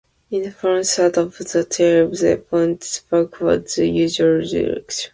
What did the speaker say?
In the front third of the tail, they point backwards, the usual direction.